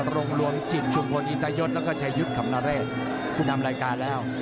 โรงรวมจิตชุมพลอินตยศแล้วก็ชายุทธ์ขำนเรศผู้นำรายการแล้ว